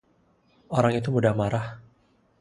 Orang itu mudah marah.